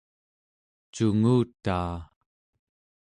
cungutaa